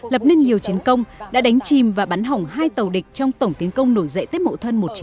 lập nên nhiều chiến công đã đánh chìm và bắn hỏng hai tàu địch trong tổng tiến công nổi dậy tết mộ thân một nghìn chín trăm sáu mươi tám